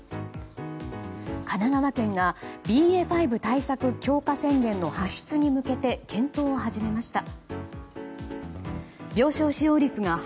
神奈川県がＢＡ．５対策強化宣言の発出に向けて検討を始めました。